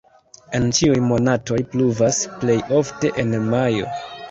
En ĉiuj monatoj pluvas, plej ofte en majo.